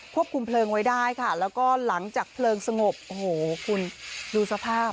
ควบคุมเพลิงไว้ได้ค่ะแล้วก็หลังจากเพลิงสงบโอ้โหคุณดูสภาพ